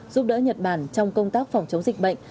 giúp đỡ nhật bản trong công tác phòng chống dịch bệnh